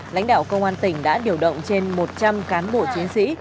lãnh đạo công an tỉnh đã điều động trên một trăm linh cán bộ chiến sĩ